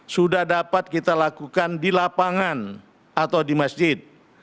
sudah dapat kita lakukan di lapangan atau di masjid